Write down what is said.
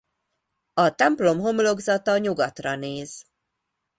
A templom homlokzata nyugatra néz.